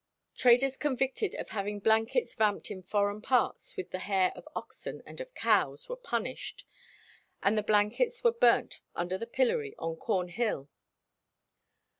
Traders convicted of having blankets vamped in foreign parts with the hair of oxen and of cows were punished, and the blankets were burnt under the pillory on Cornhill.